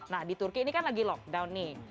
nah di turki ini kan lagi lockdown nih